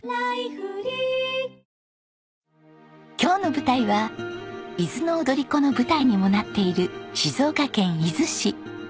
今日の舞台は『伊豆の踊子』の舞台にもなっている静岡県伊豆市。